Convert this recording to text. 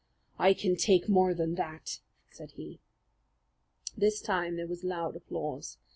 "I can take more than that," said he. This time there was loud applause.